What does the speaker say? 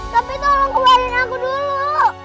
tapi tolong keluarin aku dulu